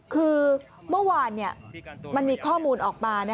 คือเมื่อวานมันมีข้อมูลออกมา